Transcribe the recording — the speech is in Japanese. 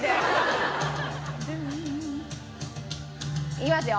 いきますよ。